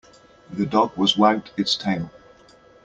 The dog was wagged its tail.